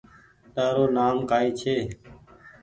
تآرو نآم ڪائي ڇي